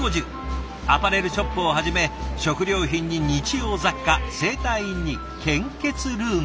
アパレルショップをはじめ食料品に日用雑貨整体院に献血ルームまで。